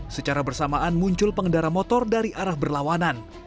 secara bersamaan muncul pengendara motor dari arah berlawanan